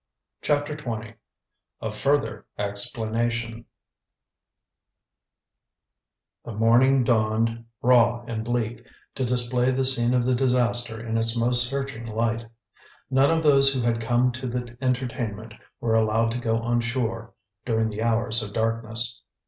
CHAPTER XX A FURTHER EXPLANATION The morning dawned raw and bleak, to display the scene of the disaster in its most searching light. None of those who had come to the entertainment were allowed to go on shore during the hours of darkness.